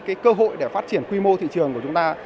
cái cơ hội để phát triển quy mô thị trường của chúng ta